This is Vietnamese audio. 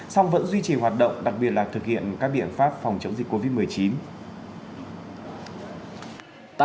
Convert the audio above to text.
song vẫn duy trì hoạt động đặc biệt là thực hiện các biện pháp phòng chống dịch covid một mươi chín